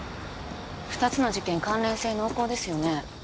二つの事件関連性濃厚ですよね